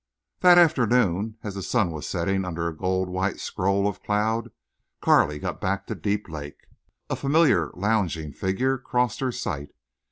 That afternoon as the sun was setting under a gold white scroll of cloud Carley got back to Deep Lake. A familiar lounging figure crossed her sight.